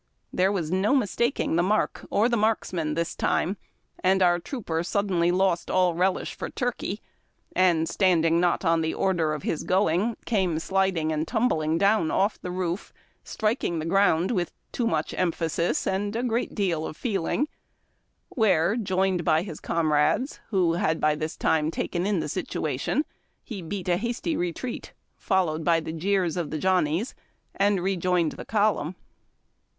There was no mistaking the mark or the marksman this time, and our trooper suddenly lost all relish for turkey. 248 IIABD TACK AND COFFEE. and, standing not on the order of his going, came sliding and tumbling down off the roof, striking the ground with too much emphasis and a great deal of feeling, where, joined by his comrades, who by this time had taken in the situa tion, he beat a hasty retreat, followed by the jeei's of the Johnnies, and rejoined the column.